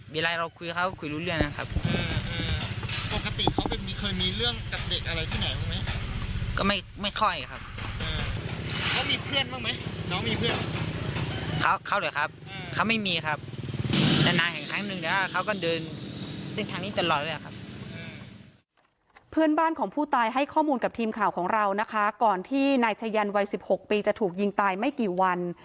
เพื่อนบ้านของผู้ตายให้ข้อมูลกับทีมข่าวของเรานะคะก่อนที่นายชะยันวัย๑๖ปีจะถูกยิงตายไม่กี่วัน